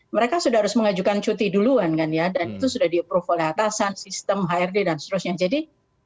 mereka sudah harus mengajukan cuti duluan kan ya dan itu sudah di approve oleh atasan sistem hrd dan seterusnya jadi